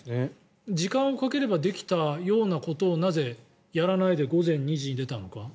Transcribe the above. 時間をかければできたようなことをなぜ、やらないで午前２時に出たのか。